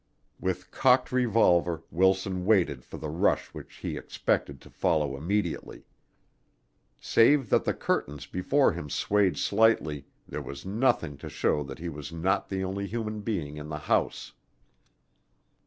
With cocked revolver Wilson waited for the rush which he expected to follow immediately. Save that the curtains before him swayed slightly, there was nothing to show that he was not the only human being in the house.